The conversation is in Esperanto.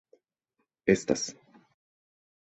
estas